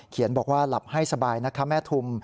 บอกว่าหลับให้สบายนะคะแม่ทุม